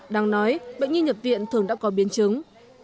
đáng nói bệnh nhi nhập viện thường đã có biến chứng